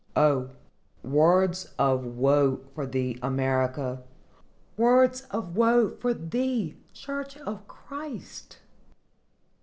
O, words of woe for thee, America!—words of woe for thee, church of Christ!